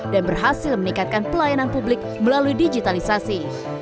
dan berhasil meningkatkan pelayanan publik melalui digitalisasi